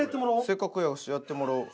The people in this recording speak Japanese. せっかくやしやってもらおう。